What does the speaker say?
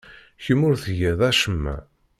Kemm ur tgiḍ acemma.